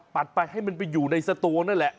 ไปให้มันไปอยู่ในสตวงนั่นแหละ